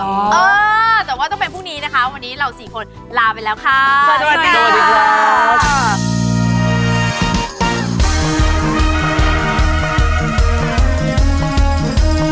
เออแต่ว่าต้องไปพรุ่งนี้นะคะวันนี้เราสี่คนลาไปแล้วค่ะสวัสดีครับ